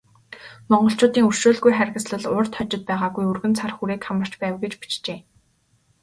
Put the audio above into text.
Монголчуудын өршөөлгүй харгислал урьд хожид байгаагүй өргөн цар хүрээг хамарч байв гэж бичжээ.